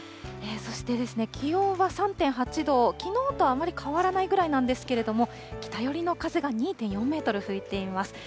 そして、気温は３．８度、きのうとあまり変わらないぐらいなんですけれども、北寄りの風が２．４メートル吹いています。